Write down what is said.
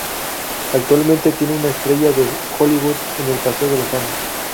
Actualmente tiene una Estrella de Hollywood en el Paseo de la Fama.